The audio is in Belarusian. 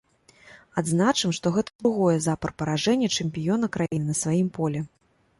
Адзначым, што гэта другое запар паражэнне чэмпіёна краіны на сваім полі.